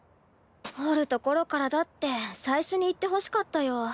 掘るところからだって最初に言ってほしかったよ。